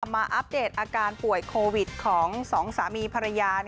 อัปเดตอาการป่วยโควิดของสองสามีภรรยา